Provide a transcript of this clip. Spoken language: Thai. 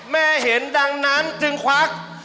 แม่เห็นดังนั้นจึงควัก